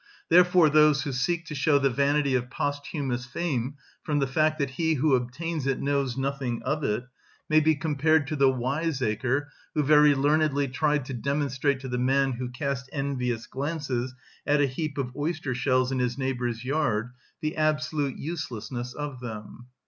Therefore those who seek to show the vanity of posthumous fame from the fact that he who obtains it knows nothing of it, may be compared to the wiseacre who very learnedly tried to demonstrate to the man who cast envious glances at a heap of oyster‐shells in his neighbour's yard the absolute uselessness of them.